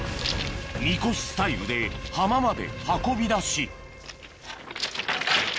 みこしスタイルで浜まで運び出し